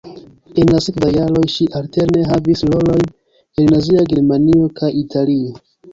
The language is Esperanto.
En la sekvaj jaroj ŝi alterne havis rolojn en nazia Germanio kaj Italio.